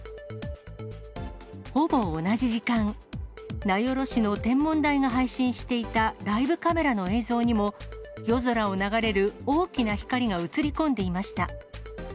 ほぼ同じ時間、名寄市の天文台が配信していたライブカメラの映像にも、夜空を流れる大きな光が映り込んでいました。